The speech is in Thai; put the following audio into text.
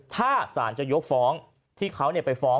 ถ้าสารจะยกฟ้องที่เขาไปฟ้อง